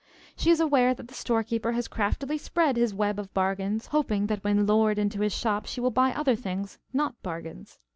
She is aware that the store keeper has craftily spread his web of bargains, hoping that when lured into his shop she will buy other things not bargains.